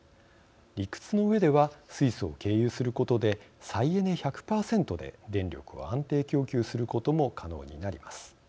理屈のうえでは水素を経由することで再エネ１００％で電力を安定供給することも可能になります。